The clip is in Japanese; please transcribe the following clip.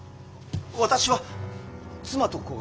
私は妻と子が。